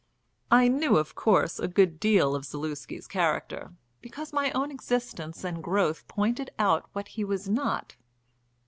I knew of course a good deal of Zaluski's character, because my own existence and growth pointed out what he was not.